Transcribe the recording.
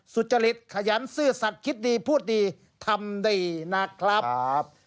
สุจริตขยันซื่อสัตว์คิดดีพูดดีทำดีนะครับ